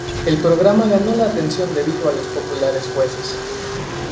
El programa ganó la atención debido a los populares jueces.